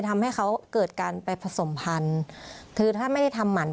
ทำให้เขาเกิดการไปผสมพันธุ์คือถ้าไม่ได้ทำหมัน